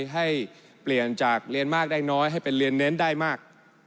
ให้เปลี่ยนจากเรียนมากได้น้อยให้เป็นเรียนเน้นได้มาก